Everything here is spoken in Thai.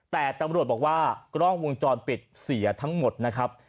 แต่ตำรวจบอกว่ากล้องวงจรปิดเสียทั้งหมดนะครับ